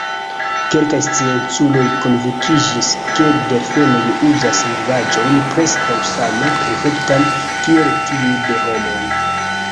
Kelkaj scienculoj konvinkiĝis, ke delfenoj uzas lingvaĵon preskaŭ same perfektan, kiel tiu de homoj.